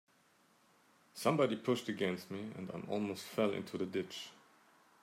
Somebody pushed against me, and I almost fell into the ditch.